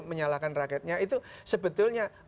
menyalahkan raketnya itu sebetulnya